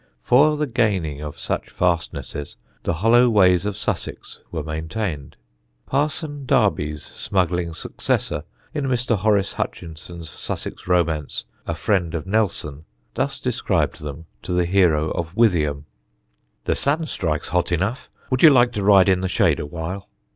For the gaining of such fastnesses the hollow ways of Sussex were maintained. Parson Darby's smuggling successor, in Mr. Horace Hutchinson's Sussex romance, A Friend of Nelson, thus described them to the hero of Withyham: "The sun strikes hot enough. Would you like to ride in the shade awhile?"